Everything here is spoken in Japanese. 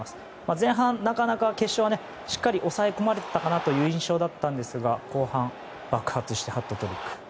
前半、なかなか決勝はしっかり押さえこまれてたかなという印象だったんですが後半、爆発してハットトリック。